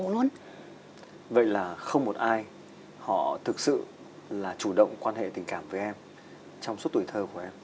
vậy là không một ai họ thực sự là chủ động quan hệ tình cảm với em trong suốt tuổi thơ của em